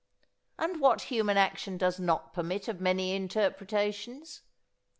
And what human action does not permit of many interpretations?